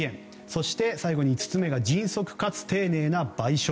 そして、最後に５つ目が迅速かつ丁寧な賠償。